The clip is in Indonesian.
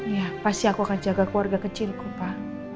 ya pasti aku akan jaga keluarga kecilku pak